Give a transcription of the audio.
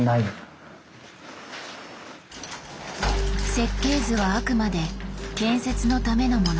設計図はあくまで建設のためのもの。